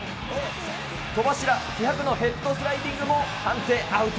戸柱、気迫のヘッドスライディングも判定、アウト。